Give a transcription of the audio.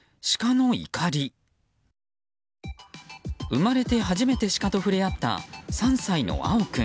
生まれて初めてシカと触れ合った３歳の蒼君。